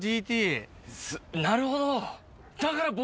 なるほど。